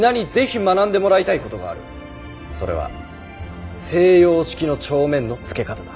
それは西洋式の帳面のつけ方だ。